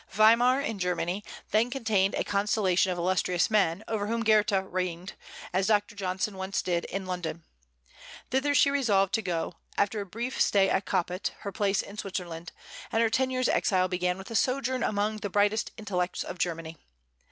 Weimar, in Germany, then contained a constellation of illustrious men, over whom Goethe reigned, as Dr. Johnson once did in London. Thither she resolved to go, after a brief stay at Coppet, her place in Switzerland; and her ten years' exile began with a sojourn among the brightest intellects of Germany.